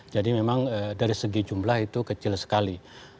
jadi memang dari segi jumlah itu kecil sekali